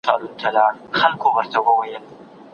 موږ په هېواد کي بشپړ عدالت غواړو.